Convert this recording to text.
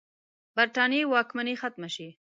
برټانیې واکمني ختمه شي.